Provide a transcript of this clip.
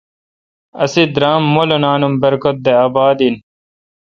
اسی درام مولینان ام برکت دے اباد این۔